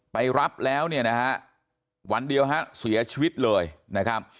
ไปรับแล้วเนี่ยนะฮะวันเดียวฮะเสียชีวิตเลยนะครับ